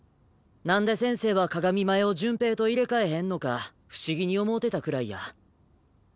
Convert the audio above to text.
なんで先生は鏡前を潤平と入れ替えへんのか不思議に思うてたくらいや。